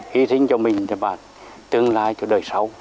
hy sinh cho mình và tương lai cho đời sau